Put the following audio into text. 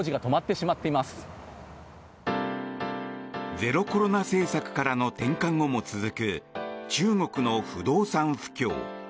ゼロコロナ政策からの転換後も続く中国の不動産不況。